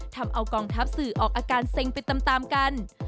ทำเอากองทัพสื่อออกอาการเซ็งไปตามกัน